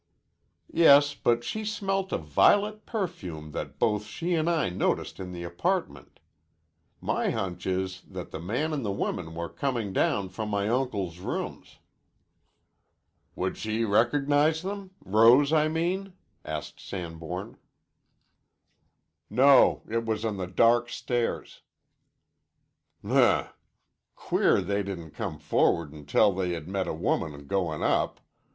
"Yes, but she smelt a violet perfume that both she an' I noticed in the apartment. My hunch is that the man an' the woman were comin' from my uncle's rooms." "Would she recognize them? Rose, I mean?" asked Sanborn. "No: it was on the dark stairs." "Hmp! Queer they didn't come forward an' tell they had met a woman goin' up.